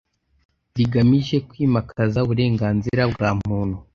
Rigamije kwimakaza uburenganzira bwa muntu,